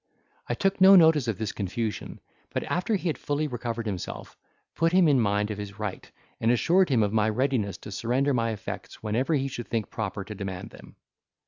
I took no notice of this confusion, but after he had fully recovered himself, put him in mind of his right, and assured him of my readiness to surrender my effects whenever he should think proper to demand them.